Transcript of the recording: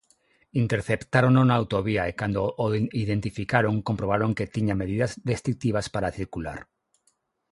Interceptárono na autovía e cando o identificaron comprobaron que tiña medidas restritivas para circular.